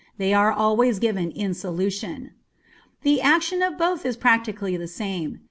They are always given in solution. The action of both is practically the same.